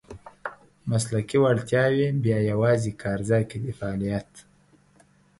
مسلکي وړتیاوې بیا یوازې کارځای کې د فعالیت .